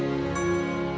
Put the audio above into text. sabar ya anak sabar